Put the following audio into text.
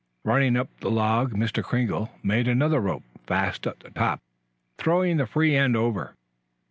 Running up the log Mr. Kringle made another rope fast at the top, throwing the free end over.